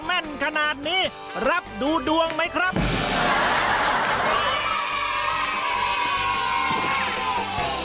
แม่นขนาดนี้รับดูดวงไหมครับ